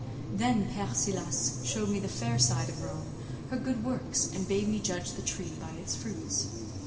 Then Père Silas showed me the fair side of Rome, her good works; and bade me judge the tree by its fruits.